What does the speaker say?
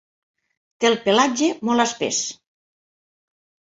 Té el pelatge molt espès.